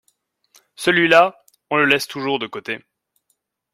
Celui-là, on le laisse toujours de côté.